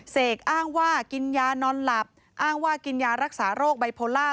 เสกอ้างว่ากินยานอนหลับกินยารักษาโรคไบโพลาร์